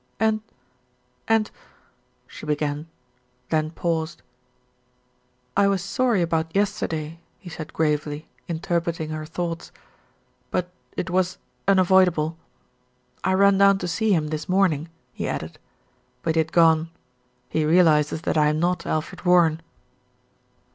"And, and " she began, then paused. "I was sorry about yesterday," he said gravely, in terpreting her thoughts; "but it was unavoidable. I ran down to see him this morning," he added, "but he had gone. He realises that I am not Alfred Warren."